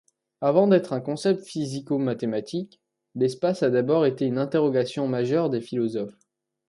Avant d'être un concept physico-mathématique, l'espace a d'abord été une interrogation majeure des philosophes.